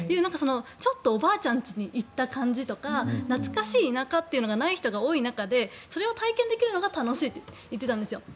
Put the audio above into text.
ちょっとおばあちゃんちに行った感じとか懐かしい田舎というのがない人が多い中でそれを体験できるのが楽しいって言っていたんですよ。